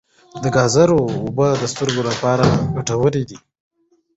د ګازرو اوبه د سترګو لپاره ګټورې دي.